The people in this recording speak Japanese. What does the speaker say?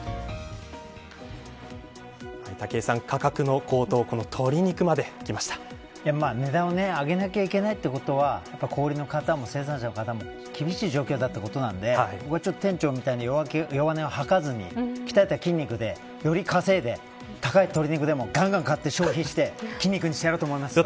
武井さん価格の高騰鶏肉値段を上げなきゃいけないということは小売りの方も、生産者の方も厳しい状況だということなんで店長みたいに弱音を吐かずに鍛えた筋肉で、より稼いで高い鶏肉でもがんがん買って消費して筋肉にしてやろうと思いますよ。